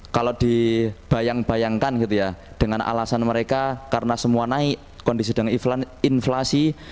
kalau dibayang bayangkan gitu ya dengan alasan mereka karena semua naik kondisi dengan inflasi